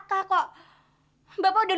bapak udah nuduh raka yang ganggu kok